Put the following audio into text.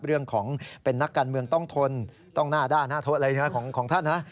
เรื่องของเป็นนักการเมืองต้องทนต้องหน้าด้านหน้าทดอะไรนะของท่านนะ